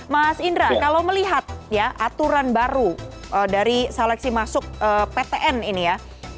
mas indra kalau melihat ya aturan baru dari seleksi masuk ptn ini ya